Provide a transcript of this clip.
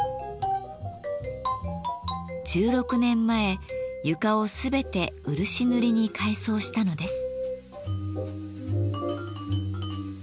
１６年前床を全て漆塗りに改装したのです。